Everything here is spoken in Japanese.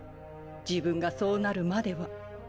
自分がそうなるまでは。